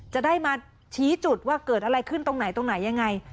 จะได้มาชี้จุดว่าเกิดอะไรขึ้นตรงไหนตรงไหนยังไง